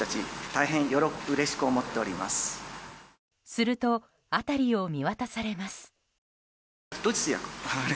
すると辺りを見渡されます。